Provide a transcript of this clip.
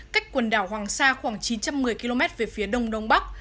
cách quần đảo hoàng sa khoảng chín trăm một mươi km về phía đông đông bắc